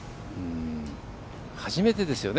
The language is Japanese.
初めてですよね